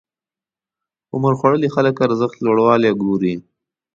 عمرخوړلي خلک ارزښت لوړوالی ګوري.